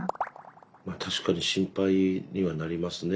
まあ確かに心配にはなりますね。